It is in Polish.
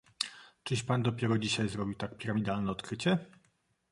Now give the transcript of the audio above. "czyś pan dopiero dzisiaj zrobił tak piramidalne odkrycie?..."